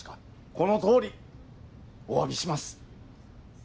このとおりおわびします。